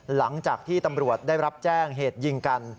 หลังจากที่ตำรวจได้รับแจ้งเหตุยิงกัน